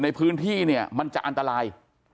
ในพื้นที่เนี่ยมันจะอันตราย